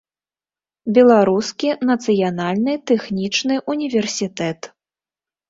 Беларускі нацыянальны тэхнічны ўніверсітэт.